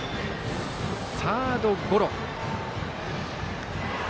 サードゴロ。